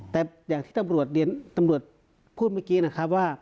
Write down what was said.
แต่อย่างที่ตำรวจพูดเมื่อกี้นะครับว่า